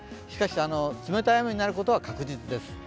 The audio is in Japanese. しかし、冷たい雨になることは確実です。